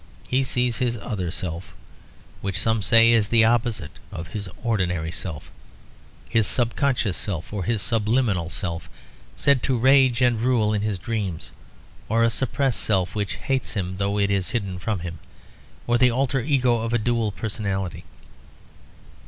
He sees his Other Self, which some say is the opposite of his ordinary self; his Subconscious Self or his Subliminal Self, said to rage and rule in his dreams, or a suppressed self which hates him though it is hidden from him; or the Alter Ego of a Dual Personality.